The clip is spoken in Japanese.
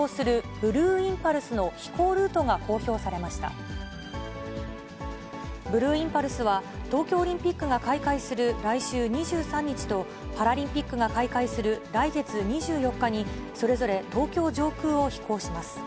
ブルーインパルスは、東京オリンピックが開会する来週２３日と、パラリンピックが開会する来月２４日に、それぞれ東京上空を飛行します。